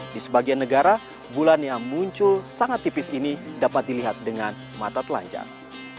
di sebagian negara bulan yang muncul sangat tipis ini dapat dilihat dengan mata telanjang